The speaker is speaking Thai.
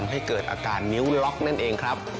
ให้เกิดอาการนิ้วล็อกนั่นเองครับ